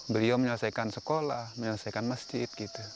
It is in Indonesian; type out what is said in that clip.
beliau menyelesaikan sekolah menyelesaikan masjid